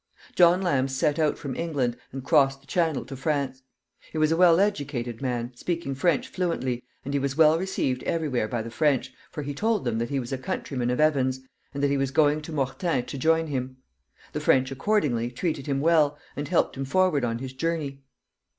John Lamb set out from England, and crossed the Channel to France. He was a well educated man, speaking French fluently, and he was well received every where by the French, for he told them that he was a countryman of Evan's, and that he was going to Mortain to join him. The French, accordingly, treated him well, and helped him forward on his journey.